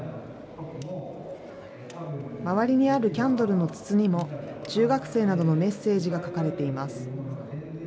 周りにあるキャンドルの筒にも、中学生などのメッセージが書かれています。